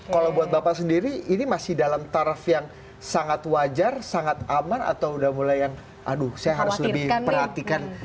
kalau buat bapak sendiri ini masih dalam taraf yang sangat wajar sangat aman atau udah mulai yang aduh saya harus lebih perhatikan